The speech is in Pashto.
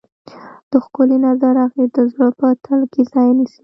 د ښکلي نظر اغېز د زړه په تل کې ځای نیسي.